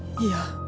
いや。